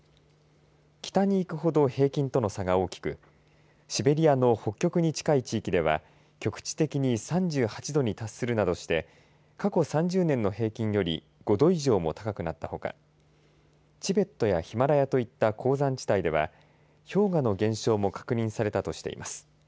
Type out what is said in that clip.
北に行くほど平均との差が大きくシベリアの北極に近い地域では局地的に３８度に達するなどして過去３０年の平均より５度以上も高くなったほかチベットやヒマラヤといった高山地帯では氷河の減少も確認されたとしています。